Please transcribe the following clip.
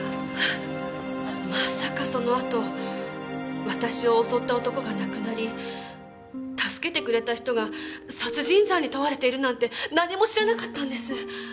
まさかそのあと私を襲った男が亡くなり助けてくれた人が殺人罪に問われているなんて何も知らなかったんです。